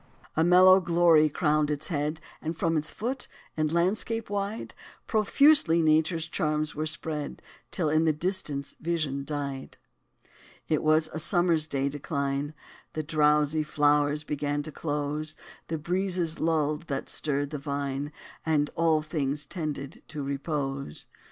A mellow glory crowned its head; And from its foot, in landscape wide, Profusely nature's charms were spread, Till in the distance vision died. It was a summer day's decline: The drowsy flowers began to close; The breezes lulled, that stirred the vine; And all things tended to repose.